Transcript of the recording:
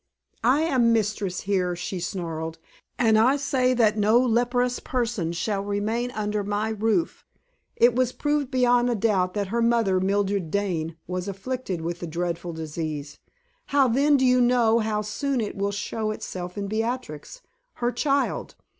"I am mistress here!" she snarled, "and I say that no leprous person shall remain under my roof. It was proved beyond a doubt that her mother, Mildred Dane, was afflicted with the dreadful disease. How then do you know how soon it will show itself in Beatrix, her child?